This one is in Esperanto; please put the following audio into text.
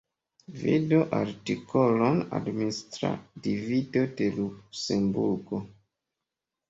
Vidu artikolon Administra divido de Luksemburgo.